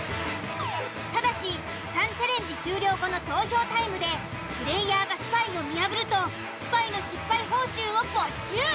ただし３チャレンジ終了後の投票タイムでプレイヤーがスパイを見破るとスパイの失敗報酬を没収。